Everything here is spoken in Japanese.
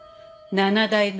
７代目？